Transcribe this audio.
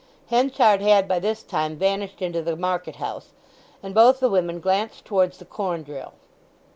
Henchard had by this time vanished into the market house, and both the women glanced towards the corn drill.